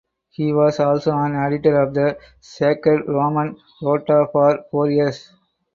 He was also an auditor of the Sacred Roman Rota for four years.